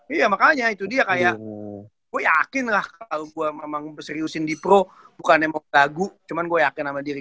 iya makanya itu dia kayak gue yakin lah kalau gue memang seriusin di pro bukan emang lagu cuman gue yakin sama diri